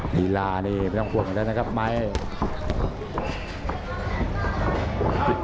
นิลาเนี่ยไม่ต้องกลัวเค้ากันนะครับไมค์